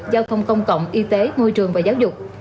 giao thông công cộng y tế môi trường và giáo dục